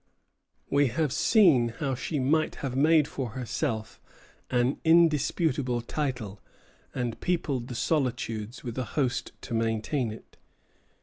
We have seen how she might have made for herself an indisputable title, and peopled the solitudes with a host to maintain it.